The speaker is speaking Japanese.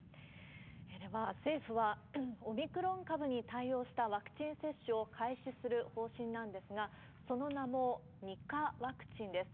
では、政府はオミクロン株に対応したワクチン接種を開始する方針なんですが、その名も２価ワクチンです。